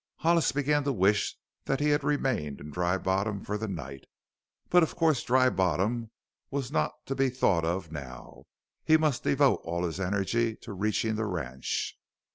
Hollis began to wish that he had remained in Dry Bottom for the night, but of course Dry Bottom was not to be thought of now; he must devote all his energy to reaching the ranch.